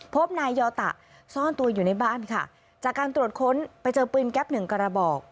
พบนายยอตะซ่อนตัวอยู่ในบ้านค่ะจากการตรวจค้นไปเจอปืนแก๊ปหนึ่งกระบอก